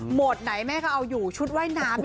ไหนแม่ก็เอาอยู่ชุดว่ายน้ำ